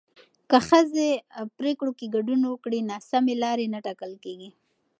که ښځې پرېکړو کې ګډون وکړي، ناسمې لارې نه ټاکل کېږي.